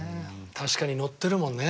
確かにノッてるもんね。